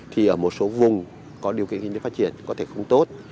thì ở một số vùng có điều kiện phát triển có thể không tốt